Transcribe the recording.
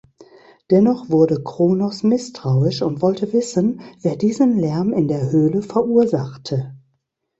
Dennoch wurde Kronos misstrauisch und wollte wissen, wer diesen Lärm in der Höhle verursachte.